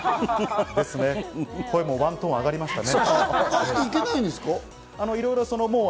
声もワントーン上がりましたね。